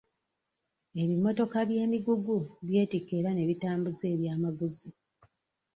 Ebimmotoka by'emigugu byetikka era ne bitambuza eby'amaguzi.